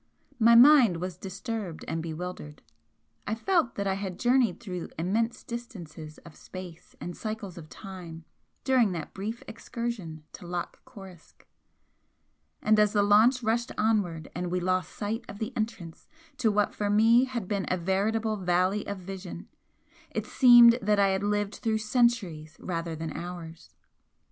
My mind was disturbed and bewildered, I felt that I had journeyed through immense distances of space and cycles of time during that brief excursion to Loch Coruisk, and as the launch rushed onward and we lost sight of the entrance to what for me had been a veritable Valley of Vision, it seemed that I had lived through centuries rather than hours.